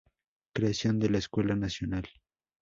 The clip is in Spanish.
Creación de la Escuela Nacional.